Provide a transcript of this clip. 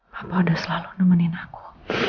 bapak udah selalu nemenin aku